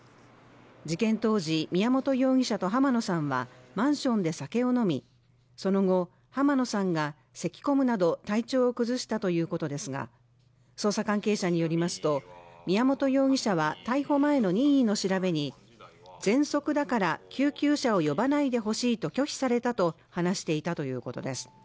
事件当時、宮本容疑者と濱野さんはマンションで酒を飲み、その後濱野さんが咳込むなど、体調を崩したということですが、捜査関係者によりますと宮本容疑者は逮捕前の任意の調べに喘息だから救急車を呼ばないでほしいと拒否されたと話していたということです。